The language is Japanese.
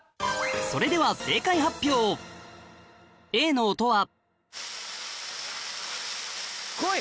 それでは正解発表Ａの音はこい！